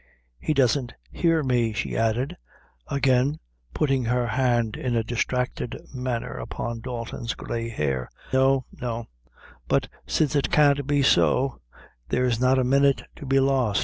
"He doesn't hear me," she added, again putting her hand in a distracted manner upon Dalton's gray hair; "no, no; but since it can't be so, there's not a minute to be lost.